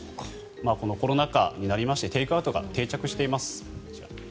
このコロナ禍になりましてテイクアウトが定着しています。